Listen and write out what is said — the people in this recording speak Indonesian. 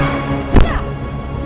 kami akan mencari raden pemalarasa